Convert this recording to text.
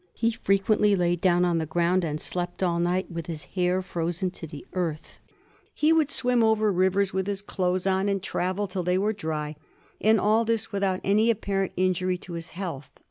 He frequently lay down on the ground and slept all night with his hair frozen to the earth ; he would swim over rivers with his clothes on and travel till they were dry, and all this without any apparent injury to his health."